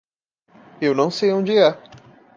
Eu não sei onde é.